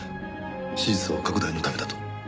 支持層拡大のためだと。